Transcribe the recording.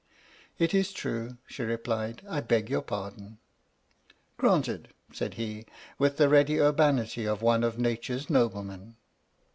" It is true," she replied. " I beg your pardon." " Granted," said he, with the ready urbanity of one of Nature's noblemen.